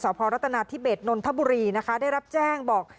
พรัตนาธิเบสนนทบุรีนะคะได้รับแจ้งบอก